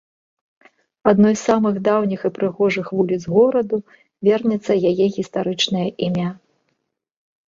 Адной з самых даўніх і прыгожых вуліц гораду вернецца яе гістарычнае імя.